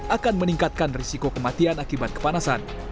akan meningkatkan risiko kematian akibat kepanasan